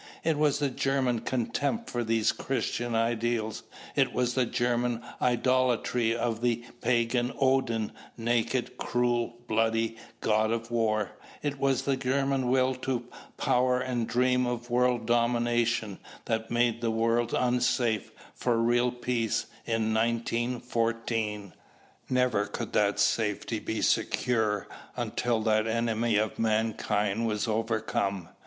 It was the German contempt for these Christian ideals, it was the German idolatry of the pagan Odin, naked, cruel, bloody, god of war, it was the German will to power and dream of world dominion, that made the world unsafe for real peace in 1914. Never could that safety be secured until that enemy of mankind was overcome.